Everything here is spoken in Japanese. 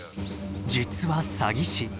実は詐欺師。